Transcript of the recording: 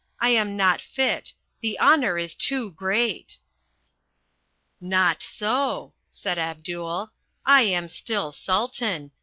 I am not fit. The honour is too great." "Not so," said Abdul. "I am still Sultan.